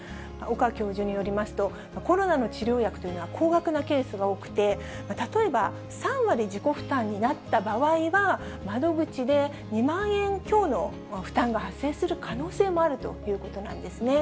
岡教授によりますと、コロナの治療薬というのは高額なケースが多くて、例えば３割自己負担になった場合は、窓口で２万円強の負担が発生する可能性もあるということなんですね。